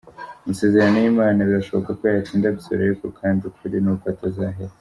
Amasezerano y'Imana birashoboka ko yatinda gusohora ariko kandi ukuri ni uko atazahera.